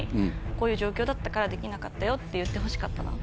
こういう状況だからできなかったって言ってほしかったな。